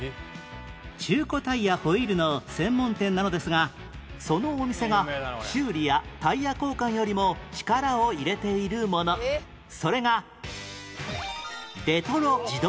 中古タイヤホイールの専門店なのですがそのお店が修理やタイヤ交換よりも力を入れているものそれが